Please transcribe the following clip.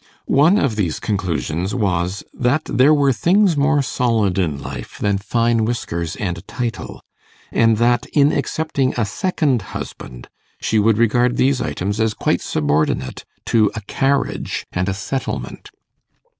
One of these conclusions was, that there were things more solid in life than fine whiskers and a title, and that, in accepting a second husband, she would regard these items as quite subordinate to a carriage and a settlement.